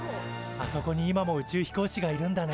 あそこにも今も宇宙飛行士がいるんだね。